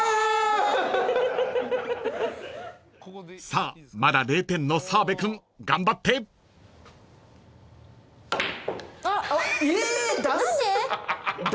［さあまだ０点の澤部君頑張って］え！